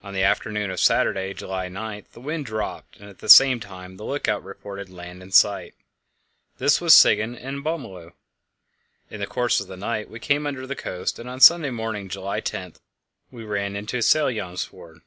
On the afternoon of Saturday, July 9, the wind dropped, and at the same time the lookout reported land in sight. This was Siggen on Bömmelö. In the course of the night we came under the coast, and on Sunday morning, July 10, we ran into Sælbjömsfjord.